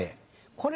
これ